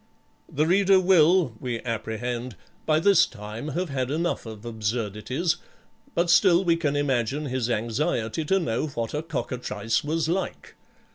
The reader will, we apprehend, by this time have had enough of absurdities, but still we can imagine his anxiety to know what a cockatrice was like.